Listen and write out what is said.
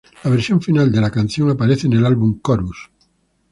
La versión final de la canción aparece en el álbum Chorus.